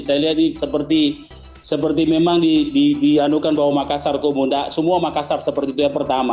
saya lihat ini seperti seperti memang dianuhkan bahwa makassar kumuh semua makassar seperti itu ya yang pertama